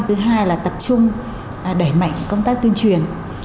thứ hai là tập trung đẩy mạnh công tác tuyên truyền